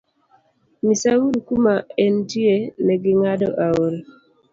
Nyisa uru kuma entie negi ng'ado aora.